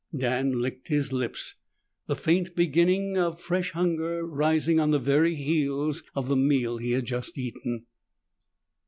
Dan licked his lips, the faint beginning of fresh hunger rising on the very heels of the meal he had just eaten.